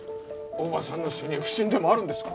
大庭さんの死に不審でもあるんですか？